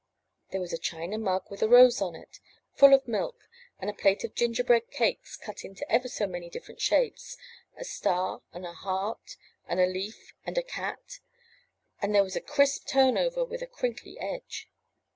There was a China mug with a rose on it, full of milk, and a plate of gingerbread cakes cut in ever so many different shapes, — a star and a heart and a leaf and a cat; and there was a crisp turn over with a crinkly edge.